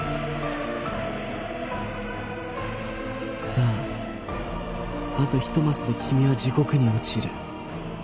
さああと１マスで君は地獄に落ちる